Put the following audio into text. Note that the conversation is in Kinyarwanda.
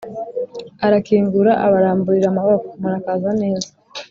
arakingura, abaramburira amaboko murakaza neza.